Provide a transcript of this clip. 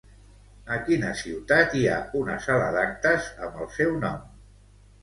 A quina ciutat hi ha una sala d'actes amb el seu nom?